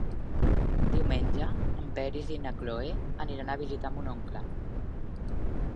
Diumenge en Peris i na Cloè aniran a visitar mon oncle.